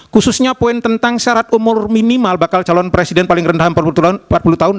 khususnya poin tentang syarat umur minimal bakal calon presiden paling rendah empat puluh tahun